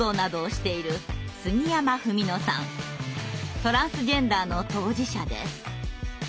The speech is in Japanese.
トランスジェンダーの当事者です。